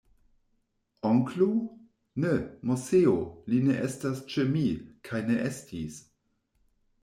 Onklo!? Ne, Moseo, li ne estas ĉe mi, kaj ne estis.